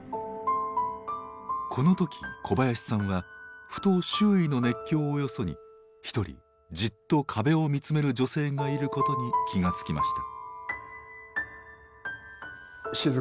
この時小林さんはふと周囲の熱狂をよそに一人じっと壁を見つめる女性がいることに気が付きました。